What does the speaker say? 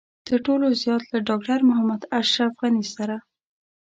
تر ټولو زيات له ډاکټر محمد اشرف غني سره.